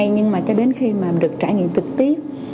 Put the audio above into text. nhưng mà cho đến khi mà được trải nghiệm thực tiết